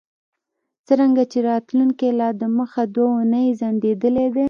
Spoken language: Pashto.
څرنګه چې راتلونکی لا دمخه دوه اونۍ ځنډیدلی دی